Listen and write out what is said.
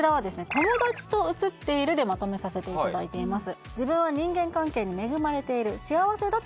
「友達と写っている」でまとめさせていただいています